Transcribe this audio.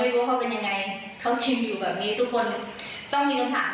รู้เขาเป็นยังไงเขากินอยู่แบบนี้ทุกคนต้องมีคำถาม